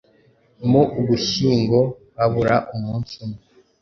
Mu Ugushyingo habura umunsi umwe